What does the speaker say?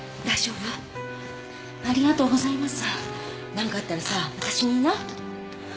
何かあったらさわたしに言いな